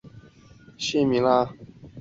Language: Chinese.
齐学裘人。